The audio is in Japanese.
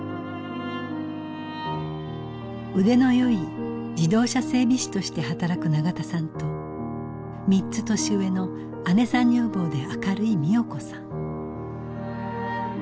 腕のよい自動車整備士として働く永田さんと３つ年上の姉さん女房で明るい美代子さん。